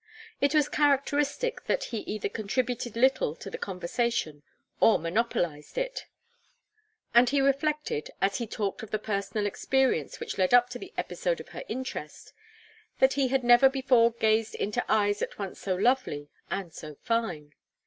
It was characteristic that he either contributed little to the conversation or monopolized it; and he reflected, as he talked of the personal experience which led up to the episode of her interest, that he had never before gazed into eyes at once so lovely and so fine.